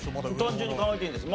単純に考えていいんです。